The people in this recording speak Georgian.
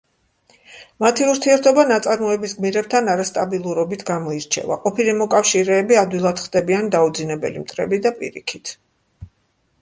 მათი ურთიერთობა ნაწარმოების გმირებთან არასტაბილურობით გამოირჩევა, ყოფილი მოკავშირეები ადვილად ხდებიან დაუძინებელი მტრები, და პირიქით.